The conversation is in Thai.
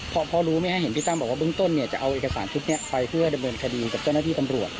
เพราะรู้ไม่ให้เห็นพี่ตั้มบอกว่าเบื้องต้นเนี่ยจะเอาเอกสารชุดนี้ไปเพื่อดำเนินคดีกับเจ้าหน้าที่ตำรวจ